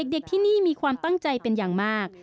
เด็กที่นี่มีความตั้งใจเป็นอย่างมาก